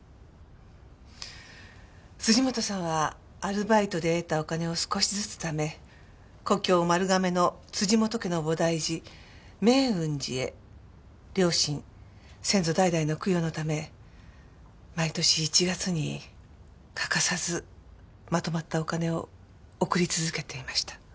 辻本さんはアルバイトで得たお金を少しずつ貯め故郷丸亀の辻本家の菩提寺明雲寺へ両親先祖代々の供養のため毎年１月に欠かさずまとまったお金を送り続けていました。